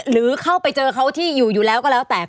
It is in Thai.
หรือเข้าไปเจอเขาที่อยู่อยู่แล้วก็แล้วแต่